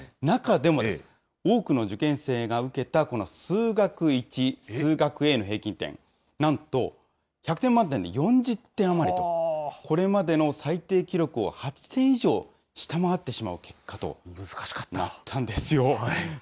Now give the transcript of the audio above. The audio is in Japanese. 中でもです、多くの受験生が受けた、この数学１・数学Ａの平均点、なんと１００点満点で４０点余りと、これまでの最低記録を８点以上、下回ってしまう結果となったんですよ。